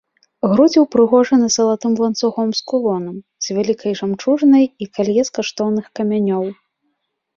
Грудзі ўпрыгожаны залатым ланцугом з кулонам з вялікай жамчужынай і калье з каштоўных камянёў.